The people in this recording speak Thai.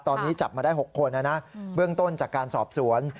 ตอนนี้จับมาได้๖คนเบื้องต้นจากการสอบสวน